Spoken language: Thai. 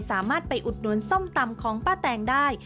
สามารถไปอุดหนุนส้มตำของป้าแตงได้